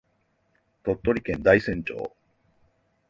鳥取県大山町